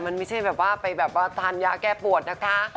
มันไม่ใช่ไปทานยะแก้ปวดนะคะ